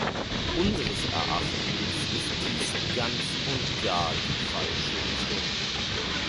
Unseres Erachtens ist dies ganz und gar die falsche Richtung.